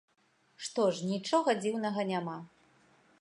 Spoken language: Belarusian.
Што ж, нічога дзіўнага няма.